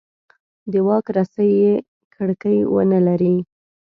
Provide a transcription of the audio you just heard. د واک رسۍ یې کړکۍ ونه لري.